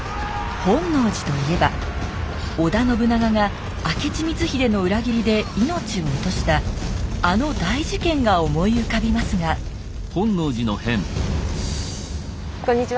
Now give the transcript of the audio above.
本能寺といえば織田信長が明智光秀の裏切りで命を落としたあの大事件が思い浮かびますがこんにちは